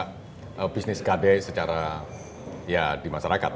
buka bisnis gade secara ya di masyarakat